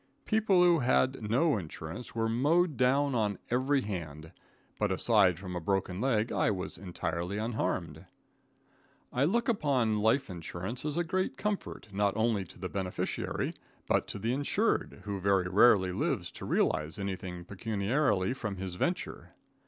People who had no insurance were mowed down on every hand, but aside from a broken leg I was entirely unharmed. [Illustration: PROTECTED BY LIFE INSURANCE.] I look upon life insurance as a great comfort, not only to the beneficiary, but to the insured, who very rarely lives to realize anything pecuniarily from his venture.